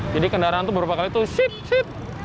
jadi kendaraan tuh berupa kali tuh sit sit